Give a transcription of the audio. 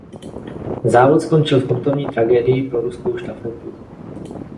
Závod skončil sportovní tragédií pro ruskou štafetu.